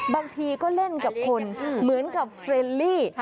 บางทีก็เล่นกับคนเหมือนกับเฟรนลี่